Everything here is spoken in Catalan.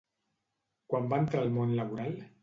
Quan va entrar al món laboral?